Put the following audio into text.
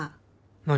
何？